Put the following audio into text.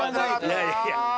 いやいや。